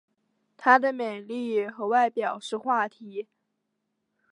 她的美丽和外表是话题。